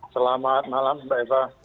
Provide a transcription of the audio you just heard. selamat malam bu eva